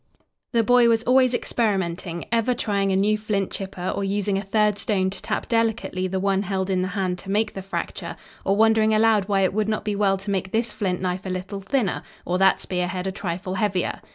The boy was always experimenting, ever trying a new flint chipper or using a third stone to tap delicately the one held in the hand to make the fracture, or wondering aloud why it would not be well to make this flint knife a little thinner, or that spearhead a trifle heavier.